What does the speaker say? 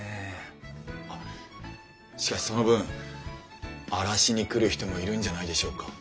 あっしかしその分荒らしに来る人もいるんじゃないでしょうか？